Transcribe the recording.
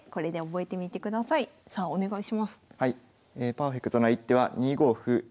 パーフェクトな一手は２五歩ですね。